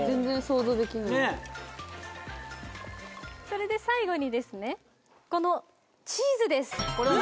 それで最後にこのチーズです。